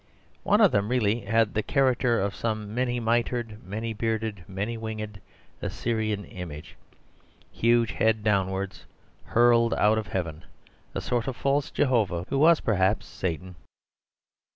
One of them really had the character of some many mitred, many bearded, many winged Assyrian image, huge head downwards, hurled out of heaven—a sort of false Jehovah, who was perhaps Satan.